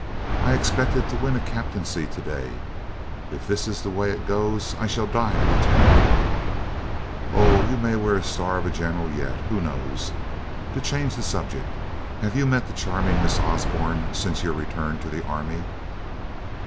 I expected to win a captaincy to day. If this is the way it goes, I shall die a lieutenant." "Oh, you may wear the star of a general yet, who knows? To change the subject, have you met the charming Miss Osborne since your return to the army?"